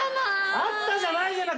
あったじゃないじゃない。